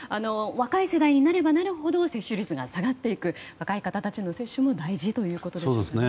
若い世代になればなるほど接種率が下がっていく若い方たちの接種も大事ということですね。